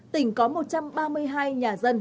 tỉnh có một trăm ba mươi hai nhà dân